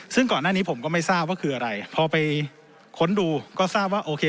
ซึ่งก่อนหน้านี้ผมก็ไม่ทราบว่าคืออะไรพอไปค้นดูก็ทราบว่าโอเค